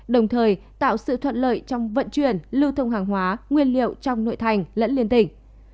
đồng thời tạo sự thuận lợi trong vận chuyển lưu thông hàng hóa nguyên liệu trong nội thành lẫn liên tỉnh